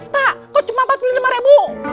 pak kok cuma rp empat puluh lima